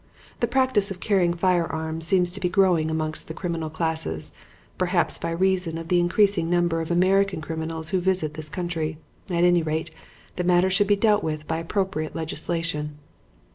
The practice of carrying firearms seems to be growing amongst the criminal classes, perhaps by reason of the increasing number of American criminals who visit this country. At any rate, the matter should be dealt with by appropriate legislation.